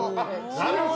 ◆なるほど！